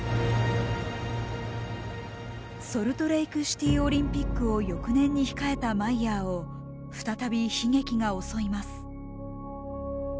ソルトレークシティー・オリンピックを翌年に控えたマイヤーを、再び悲劇が襲います。